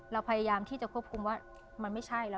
เราพยายามที่จะควบคุมว่ามันไม่ใช่แล้ว